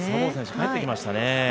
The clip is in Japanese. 帰ってきましたね。